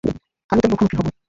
আমি তোর মুখোমুখি হবো।